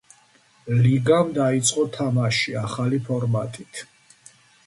ლიგამ დაიწყო თამაში ახალი ფორმატით.